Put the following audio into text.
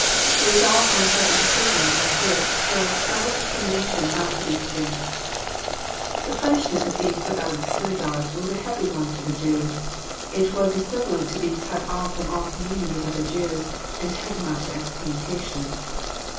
To resolve on such a decision as this shows a settled determination not to be convinced. The punishment of being <' put out of the synagogue " was a heavy one to the Jew. It was equivalent to being cut off from all communion with other Jews, and tantamount to excommu nication.